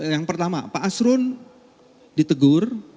yang pertama pak asrun ditegur